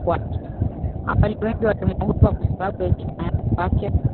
Awali wengi walimwogopa kwa sababu ya heshima yao kwake